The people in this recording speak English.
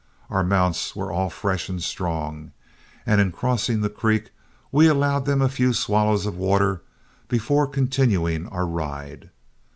Our mounts were all fresh and strong, and in crossing the creek we allowed them a few swallows of water before continuing our ride.